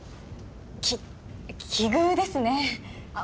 き奇遇ですねあっ